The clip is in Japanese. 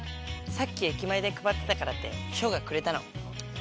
さっき駅前で配ってたからって紫耀がくれたの。